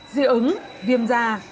dị ứng viêm da